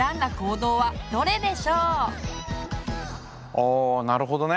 ああなるほどね。